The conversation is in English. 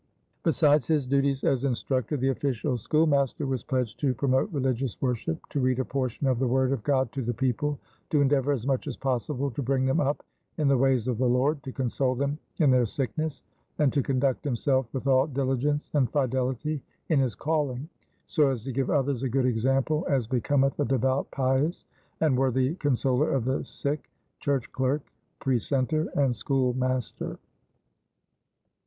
Besides his duties as instructor, the official schoolmaster was pledged "to promote religious worship, to read a portion of the word of God to the people, to endeavor, as much as possible to bring them up in the ways of the Lord, to console them in their sickness, and to conduct himself with all diligence and fidelity in his calling, so as to give others a good example as becometh a devout, pious and worthy consoler of the sick, church clerk, Precenter and School master."